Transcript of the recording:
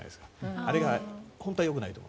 あれが本当はよくないと。